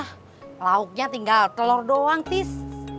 ya lauknya tinggal telor doang tis